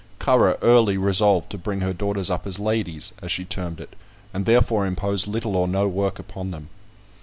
Currer early resolved to bring her daughters up as ladies, as she termed it, and therefore imposed little or no work upon them.